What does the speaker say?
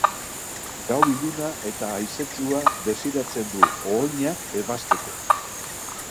Gau iluna eta haizetsua desiratzen du ohoinak ebasteko.